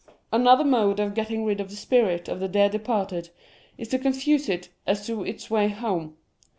Another mode of getting rid of the spirit of the dear departed is to confuse it as to its way home.